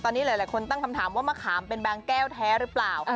ตอนนี้หลายคนตั้งคำถามว่ามะขามเป็นบางแก้วแท้หรือเปล่า